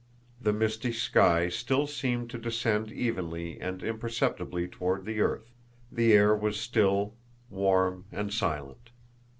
The misty sky still seemed to descend evenly and imperceptibly toward the earth, the air was still, warm, and silent.